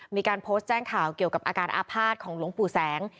มีการโพสต์แจ้งข่าวเกี่ยวกับอาการอาภาษณ์ของหลวงปู่แสง